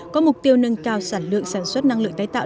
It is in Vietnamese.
có mục tiêu nâng cao sản lượng sản xuất năng lượng tái tạo